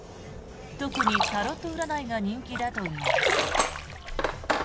特にタロット占いが人気だといいます。